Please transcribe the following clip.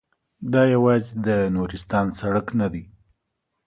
دا یوازې د نورستان سړک نه دی.